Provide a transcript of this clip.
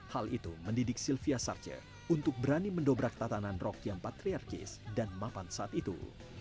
hal itu mendidik sylvia sarce untuk berani mendobrak tatanan rok yang patriarkis dan mapan saat itu